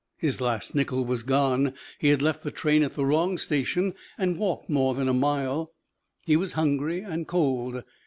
His last nickel was gone. He had left the train at the wrong station and walked more than a mile. He was hungry and cold.